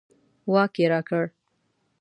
واک یې راکړ.